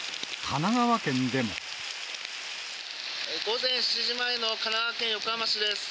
午前７時前の神奈川県横浜市です。